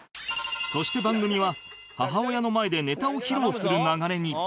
そして番組は母親の前でネタを披露する流れに